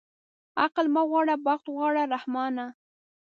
عقل مه غواړه بخت اوغواړه رحمانه.